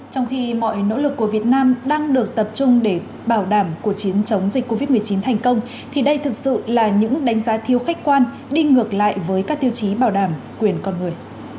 trong khi mọi nỗ lực của việt nam đang được tập trung để bảo đảm cuộc chiến chống dịch covid một mươi chín thành công thì đây thực sự là những đánh giá thiêu khách quan đi ngược lại với các tiêu chí bảo đảm quyền con người